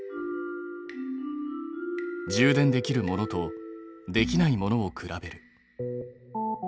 充電できるものとできないものを比べる。